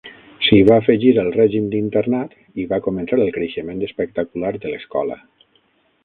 S'hi va afegir el règim d'internat i va començar el creixement espectacular de l'escola.